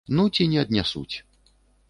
Ну, ці не аднясуць.